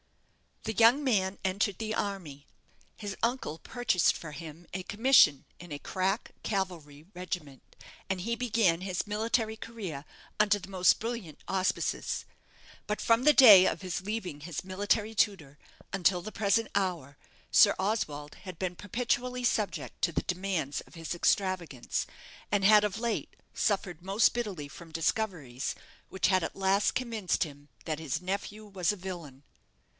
The young man entered the army. His uncle purchased for him a commission in a crack cavalry regiment, and he began his military career under the most brilliant auspices. But from the day of his leaving his military tutor, until the present hour, Sir Oswald had been perpetually subject to the demands of his extravagance, and had of late suffered most bitterly from discoveries which had at last convinced him that his nephew was a villain.